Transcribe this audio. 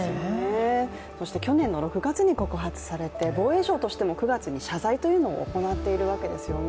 そして去年の６月に告発されて防衛省としても９月に謝罪というのを行っているわけですよね。